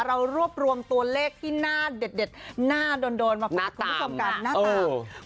เรารวบรวมตัวเลขที่หน้าเด็ดหน้าโดนมาฝากคุณผู้ชมกันหน้าตา